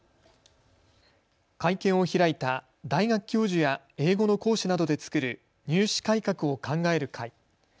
会見を開いた大学教授や英語の講師などで作る入試改革を考える会。